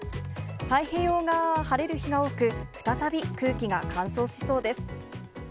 太平洋側は晴れる日が多く、再び空気が乾燥しそうです。